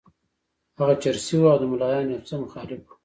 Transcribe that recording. هغه چرسي وو او د ملایانو یو څه مخالف وو.